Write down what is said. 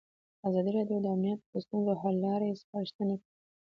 ازادي راډیو د امنیت د ستونزو حل لارې سپارښتنې کړي.